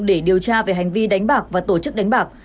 để điều tra về hành vi đánh bạc và tổ chức đánh bạc